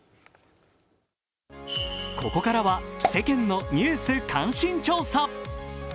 ここからは世間のニュース関心調査。